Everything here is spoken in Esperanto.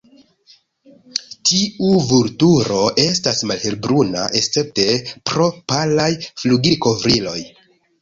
Tiu vulturo estas malhelbruna escepte pro palaj flugilkovriloj.